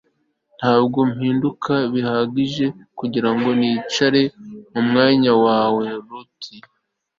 Ntabwo mpinduka bihagije kugirango nicare mumwanya wa lotus